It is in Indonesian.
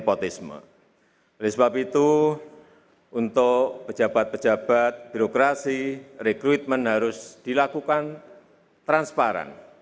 oleh sebab itu untuk pejabat pejabat birokrasi rekrutmen harus dilakukan transparan